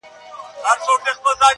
په زړه سخت لکه د غرونو ځناور وو-